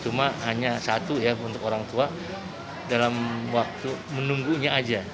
cuma hanya satu ya untuk orang tua dalam waktu menunggunya aja